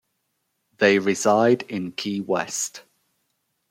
They reside in Key West.